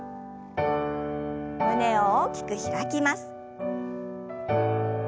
胸を大きく開きます。